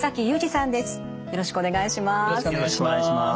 よろしくお願いします。